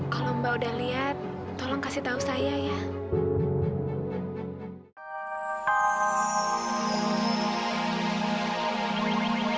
kalau mbak udah lihat tolong kasih tahu saya ya